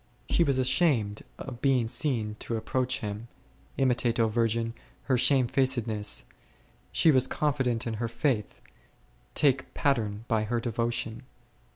She was ashamed of being seen to approach Him ; imitate, O virgin, her shamefacedness ; she w r as confi dent in her faith, take pattern by her devotion.